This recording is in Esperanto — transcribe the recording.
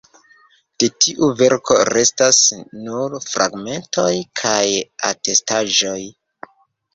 De tiu verko restas nur fragmentoj kaj atestaĵoj.